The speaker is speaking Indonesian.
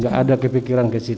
enggak ada kepikiran ke situ ya